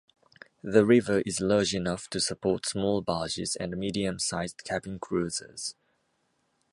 The river is large enough to support small barges and medium-sized cabin cruisers.